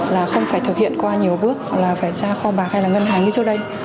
là không phải thực hiện qua nhiều bước gọi là phải ra kho bạc hay là ngân hàng như trước đây